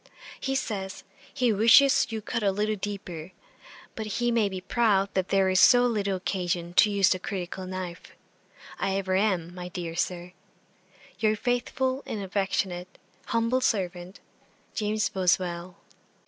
He says, "he wishes you would cut a little deeper;" but he may be proud that there is so little occasion to use the critical knife. I ever am, my dear Sir, 'Your faithful and affectionate, 'humble servant, 'JAMES BOSWELL.'